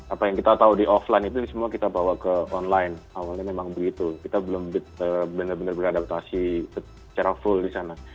apa yang kita tahu di offline itu semua kita bawa ke online awalnya memang begitu kita belum benar benar beradaptasi secara full di sana